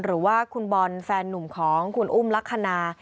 หรือว่าคุณบอลแฟนนุ่มของคุณอุ้มลักษณะ